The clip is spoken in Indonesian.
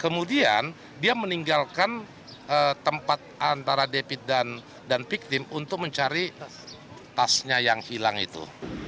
kemudian dia meninggalkan tempat antara david dan victim untuk mencari tasnya yang hilang itu